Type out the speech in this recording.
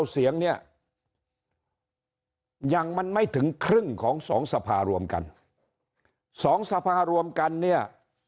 เสียงเนี่ยยังมันไม่ถึงครึ่งของ๒สภารวมกัน๒สภารวมกันเนี่ย